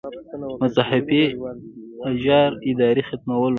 مذهبي اجاراداري ختمول وو.